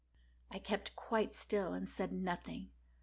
I kept quite still and said nothing.